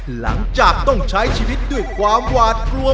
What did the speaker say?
หลังจากต้องใช้ชีวิตด้วยความหวาดกลัว